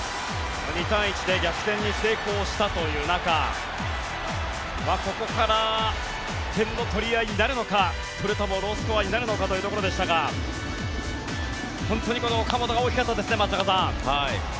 ２対１で逆転に成功したという中ここで点の取り合いになるのかそれともロースコアになるのかというところでしたが本当にこの岡本が大きかったですね。